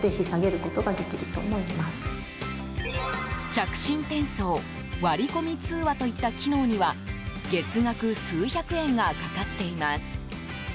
着信転送割り込み通話といった機能には月額数百円がかかっています。